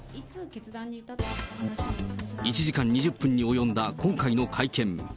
１時間２０分に及んだ今回の会見。